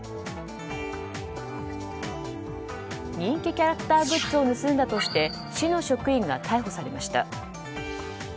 人気キャラクターグッズを盗んだとして市の職員が逮捕されました。